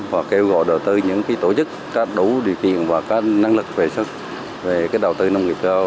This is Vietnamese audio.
và kêu gọi đầu tư những tổ chức đủ điều kiện và năng lực về đầu tư nông nghiệp cao